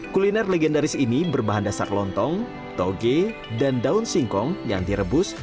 kuliner legendaris ini berbahan dasar lontong toge dan daun singkong yang direbus